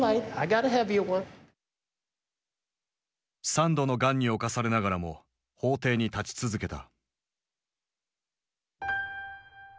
３度のがんに侵されながらも法廷に立ち続けた。